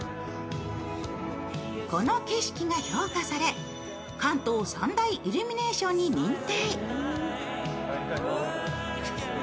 この景色が評価され関東三大イルミネーションに認定。